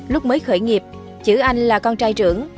lúc mới khởi nghiệp chữ anh là con trai trưởng